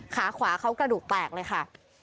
ขาขวาเขากระดูกแตกเลยค่ะ